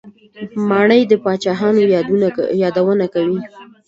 ماڼۍ د پاچاهانو یادونه کوي.